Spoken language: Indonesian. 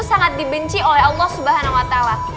sangat dibenci oleh allah swt